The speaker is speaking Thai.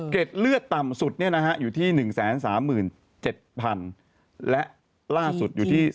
เกร็ดเลือดต่ำสุดอยู่ที่๑๓๗๐๐๐และล่าสุดอยู่ที่๑๐๔๐๐๐